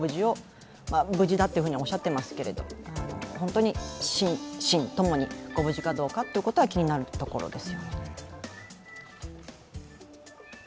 無事だというふうにおっしゃっていますけれども、本当に、心身ともにご無事かどうかは気になるところです。